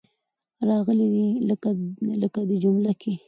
راغلې دي. لکه دې جمله کې.